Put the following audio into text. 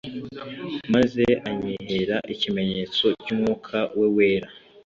Maze anyihera ikimenyetso cy’ Umwuka We Wera.